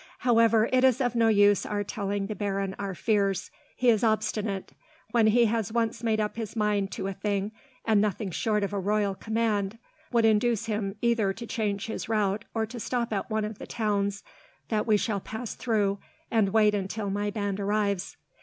"However, it is of no use our telling the baron our fears. He is obstinate, when he has once made up his mind to a thing, and nothing short of a royal command would induce him either to change his route, or to stop at one of the towns that we shall pass through, and wait until my band arrives.